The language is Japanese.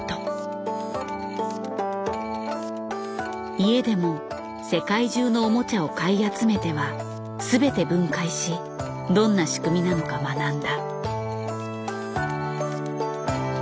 家でも世界中のおもちゃを買い集めては全て分解しどんな仕組みなのか学んだ。